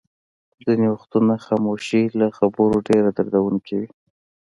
ځینې وختونه خاموشي له خبرو ډېره دردوونکې وي.